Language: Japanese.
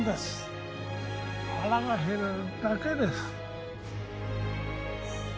「腹が減るだけです」